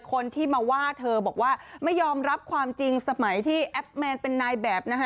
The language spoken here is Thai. คนที่มาว่าเธอบอกว่าไม่ยอมรับความจริงสมัยที่แอปแมนเป็นนายแบบนะฮะ